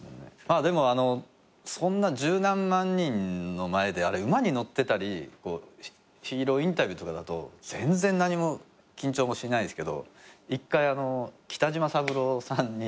でもそんな十何万人の前で馬に乗ってたりヒーローインタビューとかだと全然緊張もしないですけど１回北島三郎さんに。